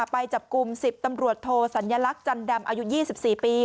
ไปจับกลุ่ม๑๐ตำรวจโทสัญลักษณ์จันดำอายุ๒๔ปี